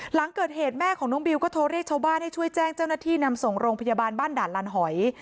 หลังเกิดเหตุแม่ของน้องบิวก็โทรเรียกชาวบ้านให้ช่วยแจ้งเจ้าหน้าที่นำส่งโรงพยาบาลบ้านด่านลานหอย